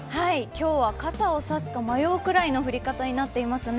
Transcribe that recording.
今日は傘を差すか迷うぐらいの降り方になっていますね。